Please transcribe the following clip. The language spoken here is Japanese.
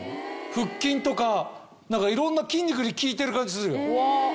腹筋とかいろんな筋肉に効いてる感じするよ。